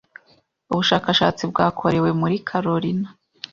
Ubushakashatsi bwakorewe muri Carolina